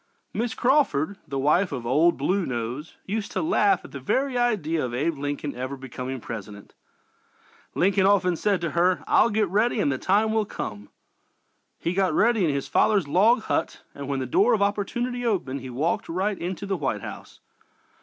Mrs. Crawford, the wife of "Old Blue Nose," used to laugh at the very idea of Abe Lincoln ever becoming President. Lincoln often said to her: "I'll get ready and the time will come." He got ready in his father's log hut and when the door of opportunity opened he walked right into the White House.